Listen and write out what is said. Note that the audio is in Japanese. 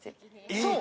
えっ？